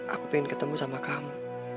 aku ingin ketemu sama kamu